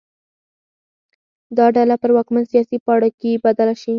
دا ډله پر واکمن سیاسي پاړکي بدله شي.